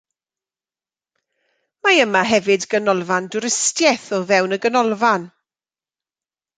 Mae yma hefyd ganolfan dwristiaeth o fewn y ganolfan.